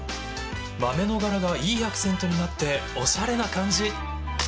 豆の柄がいいアクセントになっておしゃれな感じ